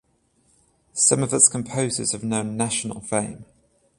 Some of its composers have known national fame.